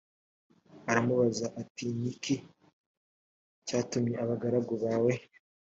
aramubaza ati ni iki cyatumye abagaragu bawe